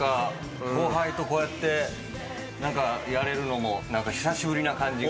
後輩とこうやってやれるのも久しぶりな感じ。